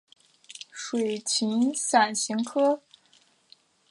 短辐水芹是伞形科水芹属的植物。